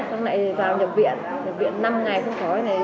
hôm nay vào nhập viện năm ngày không khó